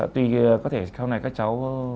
tuy có thể sau này các cháu